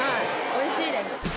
おいしいです。